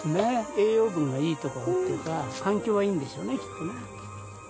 栄養分がいい所っていうか環境がいいんでしょうねきっとね。